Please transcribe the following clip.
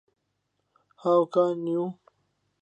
پیشاندەری ڕێبازی ژینم دایە